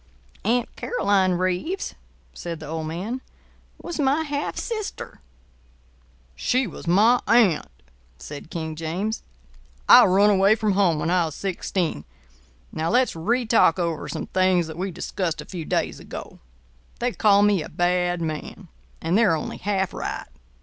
"Aunt Caroline Reeves," said the old man, "was my half sister." "She was my aunt," said King James. "I run away from home when I was sixteen. Now, let's re talk over some things that we discussed a few days ago. They call me a bad man; and they're only half right.